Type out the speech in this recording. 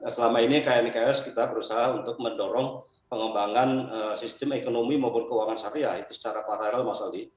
selama ini knks kita berusaha untuk mendorong pengembangan sistem ekonomi maupun keuangan syariah itu secara paralel mas aldi